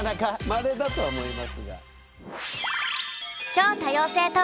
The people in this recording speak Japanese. まれだとは思いますが。